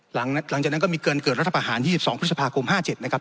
หลังจากนั้นก็มีเกินเกิดรัฐประหาร๒๒พฤษภาคม๕๗นะครับ